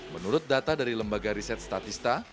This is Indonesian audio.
menurut data dari lembaga riset statista